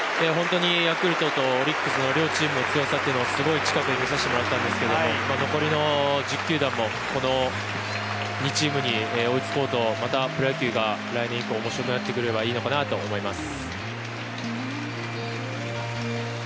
ヤクルトとオリックスの両チームの強さをすごい近くで見させてもらったんですけど残りの１０球団もこの２チームに追いつこうと、またプロ野球が来年以降、面白くなってくれたらいいのかなと思います。